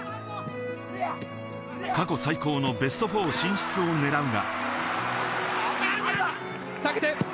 過去最高のベスト４進出をねらうが。